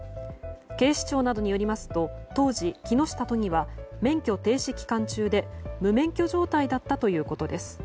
警視庁によりますと当時木下都議は免許停止期間中で無免許状態だったということです。